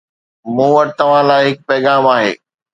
مون وٽ توهان لاءِ هڪ پيغام آهي